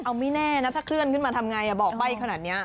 เอาไม่แน่นะถ้าเคลื่อนขึ้นมาทำไงบอกใบ้ขนาดนี้